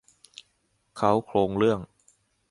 เค้าโครงเรื่อง